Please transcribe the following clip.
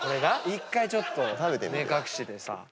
１回ちょっと目隠しでさ。